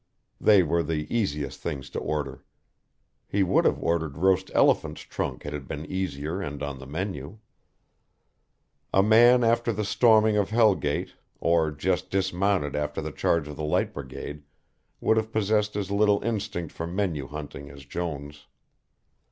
They were the easiest things to order. He would have ordered roast elephant's trunk had it been easier and on the menu. A man after the storming of Hell Gate, or just dismounted after the Charge of the Light Brigade, would have possessed as little instinct for menu hunting as Jones.